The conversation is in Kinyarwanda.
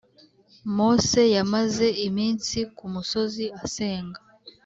Mose yamaze iminsi ku musozi asenga